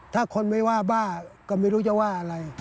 ถ้าคนไม่ว่าบ้าก็ไม่รู้จะว่าอะไร